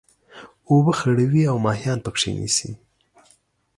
اوبه خړوي او ماهيان پکښي نيسي.